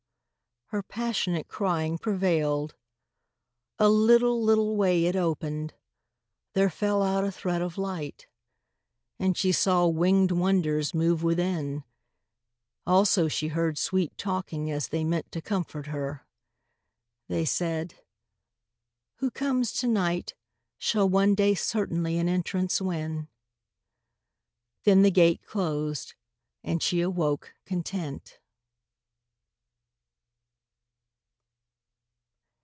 her passionate Crying prevailed. A little little way It opened: there fell out a thread of light, And she saw wingèd wonders move within; Also she heard sweet talking as they meant To comfort her. They said, "Who comes to night Shall one day certainly an entrance win;" Then the gate closed and she awoke content.